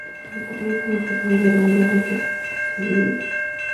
En la Capilla tiene su sede la Hermandad del Descendimiento.